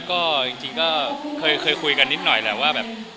ก็จริงก็เคยคุยกันนิดหน่อยแหละว่าแบบ